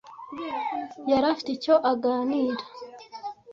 Yari afite icyo aganira.